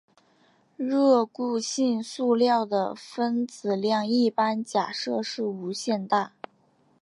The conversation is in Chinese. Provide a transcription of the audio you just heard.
热固性塑料的分子量一般假设是无限大。